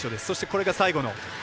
そして最後。